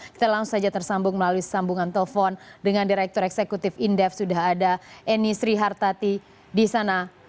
kita langsung saja tersambung melalui sambungan telepon dengan direktur eksekutif indef sudah ada eni srihartati di sana